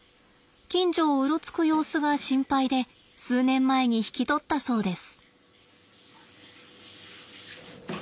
近所をうろつく様子が心配で数年前に引き取ったそうです。